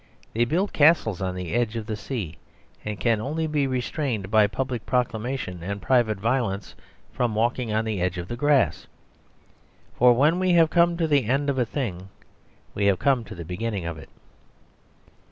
They build castles on the edge of the sea, and can only be restrained by public proclamation and private violence from walking on the edge of the grass. For when we have come to the end of a thing we have come to the beginning of it.